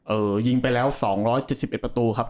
ยิงไปแล้ว๒๗๑ประตูครับ